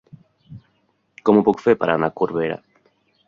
Com ho puc fer per anar a Corbera?